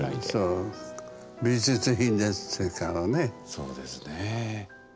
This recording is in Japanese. そうですねえ。